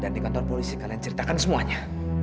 dan di kantor polisi kalian ceritakan semuanya